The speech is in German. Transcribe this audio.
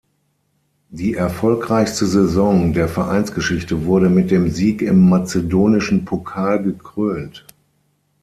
Die erfolgreichste Saison der Vereinsgeschichte wurde mit dem Sieg im mazedonischen Pokal gekrönt.